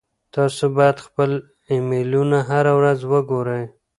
تاسو باید خپل ایمیلونه هره ورځ وګورئ.